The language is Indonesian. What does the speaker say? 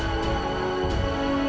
kembali ke rumah saya